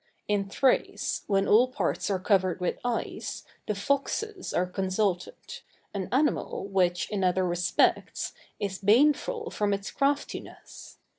In Thrace, when all parts are covered with ice, the foxes are consulted, an animal which, in other respects, is baneful from its craftiness.